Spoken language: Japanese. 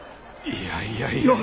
いやいやいやいや。